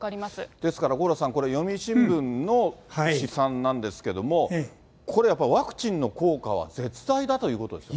ですから五郎さん、これ、読売新聞の試算なんですけれども、これ、やっぱりワクチンの効果は絶大だということですね。